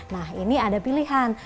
nah ini ada pilihan